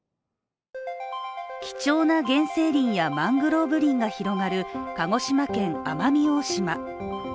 貴重な原生林やマングローブ林が広がる鹿児島県奄美大島。